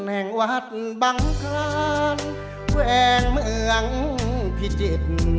แห่งวัดบังคลานแขวงเมืองพิจิตร